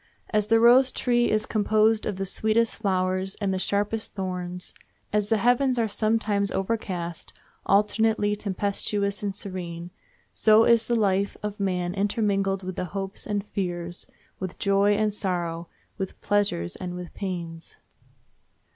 As the rose tree is composed of the sweetest flowers and the sharpest thorns; as the heavens are sometimes overcast, alternately tempestuous and serene, so is the life of man intermingled with hopes and fears, with joy and sorrow, with pleasures, and with pains.